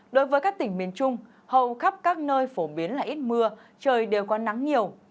đối với các tỉnh miền trung hầu khắp các nơi phổ biến là ít mưa trời đều có nắng nhiều